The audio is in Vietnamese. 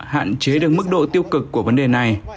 hạn chế được mức độ tiêu cực của vấn đề này